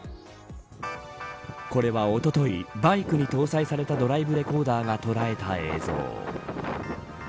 これはおとといバイクに搭載されたドライブレコーダーが捉えた映像。